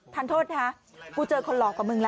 ท่านโทษนะกูเจอคนหลอกกว่ามึงละ